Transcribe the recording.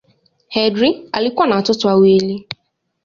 Headlee alikuwa na watoto wawili.